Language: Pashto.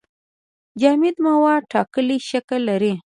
جامد مواد ټاکلی شکل لري.